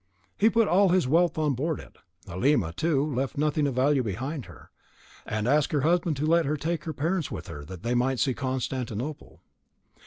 He put all his wealth on board it; Halima, too, left nothing of value behind her, and asked her husband to let her take her parents with her that they might see Constantinople.